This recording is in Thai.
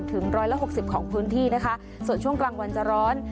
ถึงร้อยละหกสิบของพื้นที่นะคะส่วนช่วงกลางวันจะร้อน